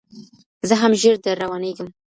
زه هم ژر در روانېږم